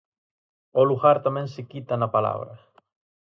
O lugar tamén se quita na palabra.